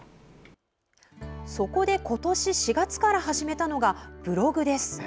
そこで今年４月から始めたのがブログです。